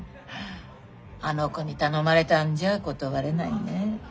あの子に頼まれたんじゃ断れないね。